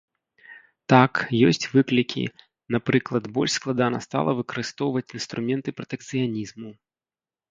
Так, ёсць выклікі, напрыклад, больш складана стала выкарыстоўваць інструменты пратэкцыянізму.